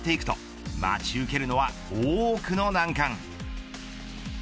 グリーに向かっていくと待ち受けるのは多くの難関。